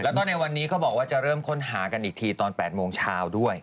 แล้วก็ในวันนี้เขาบอกว่าจะเริ่มค้นหากันอีกทีตอน๘โมงเช้าด้วย